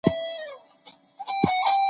هغه پایلي چي په منطق ولاړي وي ټول یې مني.